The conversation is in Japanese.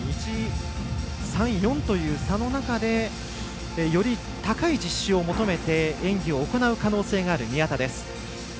０．１３４という差の中でより高い実施を求めて演技を行う可能性のある宮田です。